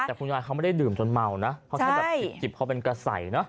แต่คุณยายเขาไม่ได้ดื่มจนเมานะเพราะแค่แบบจิบพอเป็นกระส่ายเนอะ